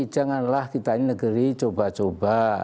janganlah kita ini negeri coba coba